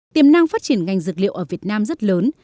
tiềm năng phát triển ngành dược liệu ở việt nam rất lớn